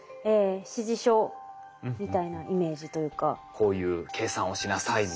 「こういう計算をしなさい」みたいな。